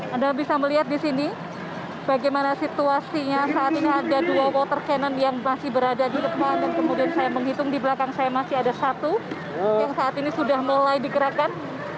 anda bisa melihat di sini bagaimana situasinya saat ini ada dua water cannon yang masih berada di depan dan kemudian saya menghitung di belakang saya masih ada satu yang saat ini sudah mulai digerakkan